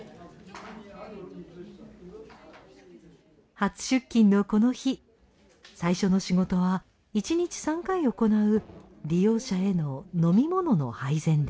初出勤のこの日最初の仕事は一日３回行う利用者への飲み物の配膳です。